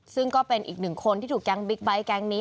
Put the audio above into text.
ซึ่งก็เป็นอีกหนึ่งคนที่ถูกแก๊งบิ๊กไบท์แก๊งนี้